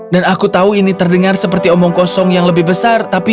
dan aku tahu ini terdengar seperti omong kosong yang lebih besar tapi